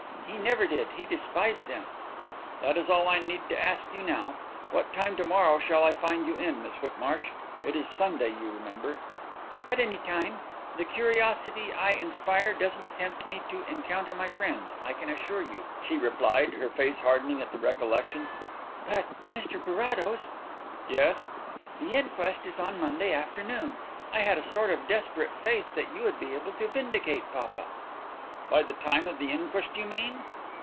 "He never did. He despised them." "That is all I need ask you now. What time to morrow shall I find you in, Miss Whitmarsh? It is Sunday, you remember." "At any time. The curiosity I inspire doesn't tempt me to encounter my friends, I can assure you," she replied, her face hardening at the recollection. "But ... Mr Carrados " "Yes?" "The inquest is on Monday afternoon.... I had a sort of desperate faith that you would be able to vindicate papa." "By the time of the inquest, you mean?"